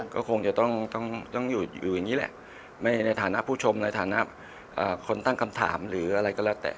ก็คงจะต้องอยู่อย่างนี้แหละในฐานะผู้ชมในฐานะคนตั้งคำถามหรืออะไรก็แล้วแต่